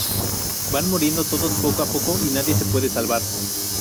Van muriendo todos poco a poco, y nadie se puede salvar.